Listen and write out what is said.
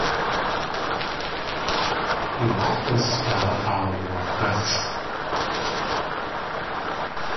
Du x̲ʼus daa aawaxásʼ.